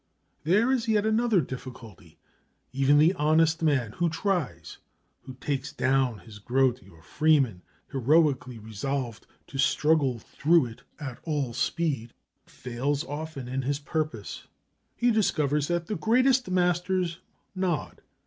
There is yet another difficulty. Even the honest man who tries, who takes down his Grote or Freeman, heroically resolved to struggle through it at all speed, fails often in his purpose. He discovers that the greatest masters nod.